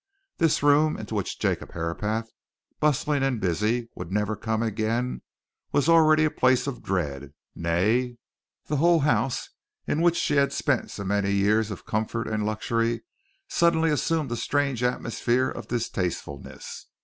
This room, into which Jacob Herapath, bustling and busy, would never come again, was already a place of dread; nay, the whole house in which she had spent so many years of comfort and luxury suddenly assumed a strange atmosphere of distastefulness.